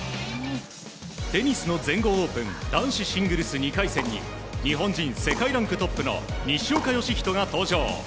テニスの全豪オープン男子シングルス２回戦に日本人世界ランクトップの西岡良仁が登場。